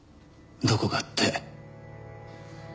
どこがって。